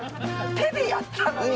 手でやったのに。